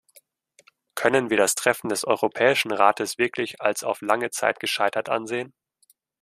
Können wir das Treffen des Europäischen Rates wirklich als auf lange Zeit gescheitert ansehen?